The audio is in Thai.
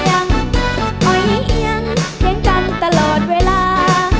อย่างอย่างอย่างอย่างกันตลอดเวลา